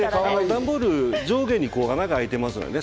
段ボールは上に穴が開いてますよね。